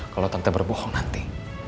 kalau tante berbohong nanti